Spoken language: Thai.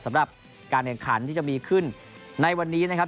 สำหรับการแข่งขันที่จะมีขึ้นในวันนี้นะครับ